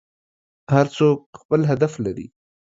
هر څوک خپل هدف لري.